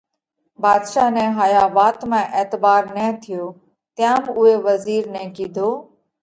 ڀاڌشا نئہ هايا وات مانه اعتڀار نہ ٿيو، تيام اُوئہ وزِير نئہ ڪِيڌو: